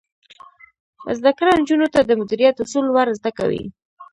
زده کړه نجونو ته د مدیریت اصول ور زده کوي.